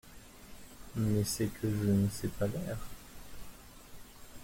Mais c’est que je ne sais pas l’air.